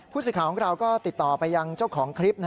พูดสิทธิ์ของเราก็ติดต่อไปยังเจ้าของคลิป